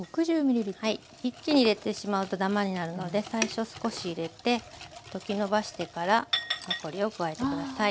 一気に入れてしまうとダマになるので最初少し入れて溶きのばしてから残りを加えて下さい。